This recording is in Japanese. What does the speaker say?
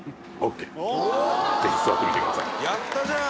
「やったじゃん」